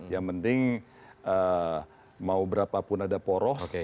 yang penting mau berapa pun ada poros